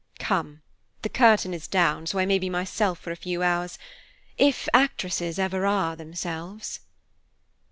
Come, the curtain is down, so I may be myself for a few hours, if actresses ever are themselves."